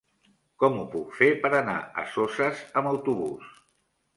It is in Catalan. Com ho puc fer per anar a Soses amb autobús?